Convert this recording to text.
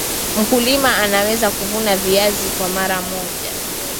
mkulima anaweza kuvuna viazi kwa mara moja